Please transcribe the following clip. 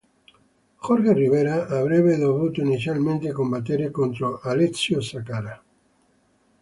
Jorge Rivera avrebbe dovuto inizialmente combattere contro Alessio Sakara.